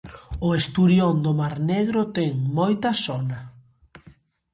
O esturión do Mar Negro ten moita sona.